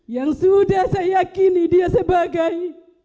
yang sudah saya yakini dia sebagai